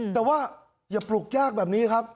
แต่ว่าอย่าปลุกยากแบบนี้ครับ